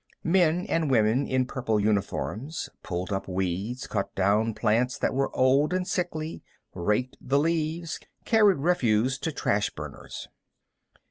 Men and women in purple uniforms pulled up weeds, cut down plants that were old and sickly, raked leaves, carried refuse to trash burners.